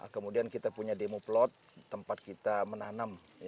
kemudian kita punya demo plot tempat kita menanam